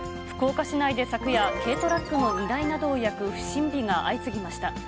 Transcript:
福岡市内で昨夜、軽トラックの荷台などを焼く不審火が相次ぎました。